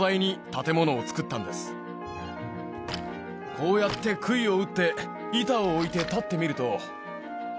こうやって杭を打って板を置いて立ってみると。